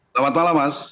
selamat malam mas